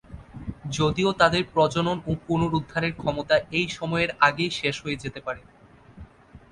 যদিও তাদের প্রজনন ও পুনরুদ্ধারের ক্ষমতা এই সময়ের আগেই শেষ হয়ে যেতে পারে।